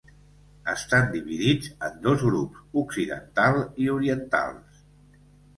Estan dividits en dos grups, occidental i orientals.